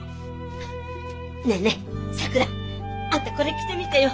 ねえねえさくらあんたこれ着てみてよ。